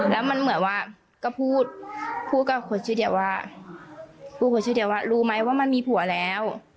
แล้วมันเหมือนว่าก็พูดกับคนชื่อเดียวว่ารู้ไหมว่ามันมีผัวแล้ว